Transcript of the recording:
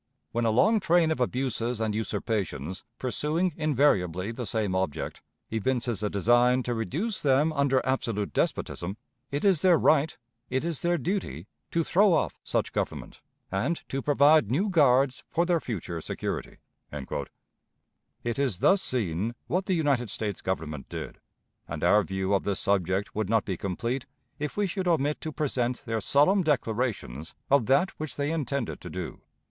... When a long train of abuses and usurpations, pursuing invariably the same object, evinces a design to reduce them under absolute despotism, it is their right, it is their duty, to throw off such government, and to provide new guards for their future security." It is thus seen what the United States Government did, and our view of this subject would not be complete if we should omit to present their solemn declarations of that which they intended to do.